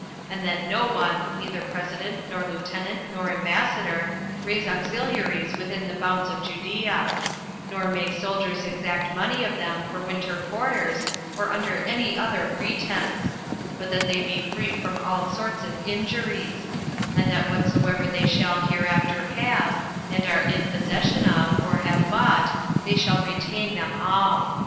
And that no one, neither president, nor lieutenant, nor ambassador, raise auxiliaries within the bounds of Judea; nor may soldiers exact money of them for winter quarters, or under any other pretense; but that they be free from all sorts of injuries; and that whatsoever they shall hereafter have, and are in possession of, or have bought, they shall retain them all.